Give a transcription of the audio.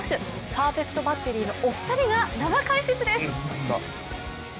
パーフェクトバッテリーのお二人が、生解説です。